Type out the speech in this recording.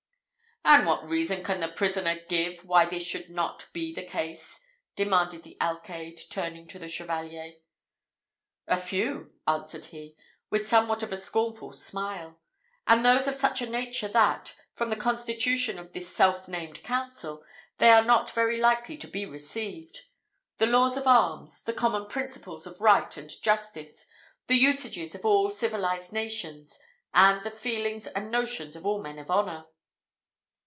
"And what reason can the prisoner give, why this should not be the case?" demanded the alcayde, turning to the Chevalier. "Very few," answered he, with somewhat of a scornful smile, "and those of such a nature that, from the constitution of this self named council, they are not very likely to be received. The laws of arms the common principles of right and justice the usages of all civilized nations, and the feelings and notions of all men of honour."